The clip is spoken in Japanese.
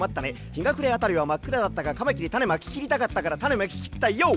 ひがくれあたりはまっくらだったがカマキリたねまききりたかったからタネまききったＹＯ！」